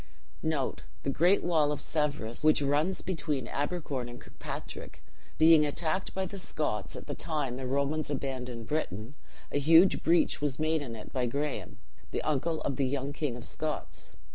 The great wall of Severus, which runs between Abercorn and Kirkpatrick, being attacked by the Scotts at the time the Romans abandoned Britain, a huge breach was made in it by Graham (or Greame), the uncle of the young king of Scots.